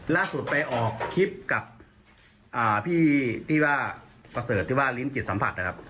ล่าสุดไปออกคลิปกับพี่ว่าประเสริฐที่ว่าลิ้มจิตสัมผัสนะครับ